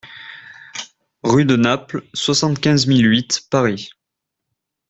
RUE DE NAPLES, soixante-quinze mille huit Paris